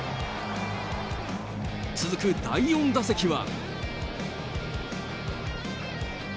続く第４打席は。